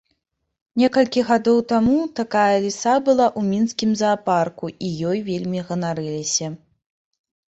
Некалькі гадоў таму такая ліса была ў мінскім заапарку і ёй вельмі ганарыліся.